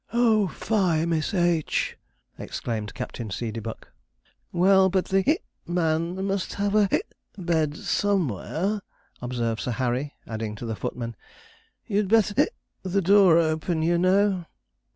'Oh, fie, Miss H.!' exclaimed Captain Seedeybuck. 'Well, but the man must have a bed somewhere,' observed Sir Harry; adding to the footman, 'you'd better the door open, you know.'